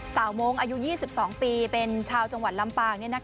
มงค์อายุ๒๒ปีเป็นชาวจังหวัดลำปาง